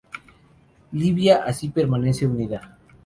Libia así permanece unida.